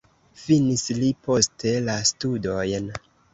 Finis li poste la studojn.